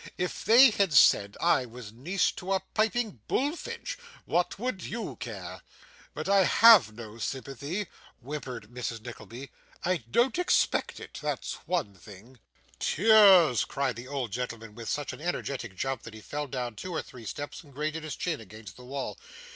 If they had said I was niece to a piping bullfinch, what would you care? But I have no sympathy,' whimpered Mrs. Nickleby. 'I don't expect it, that's one thing.' 'Tears!' cried the old gentleman, with such an energetic jump, that he fell down two or three steps and grated his chin against the wall.